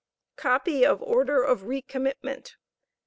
COPY OF ORDER OF RE COMMITMENT.